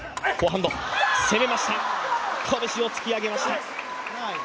拳を突き上げました。